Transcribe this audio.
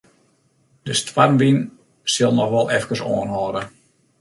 De stoarmwyn sil noch wol efkes oanhâlde.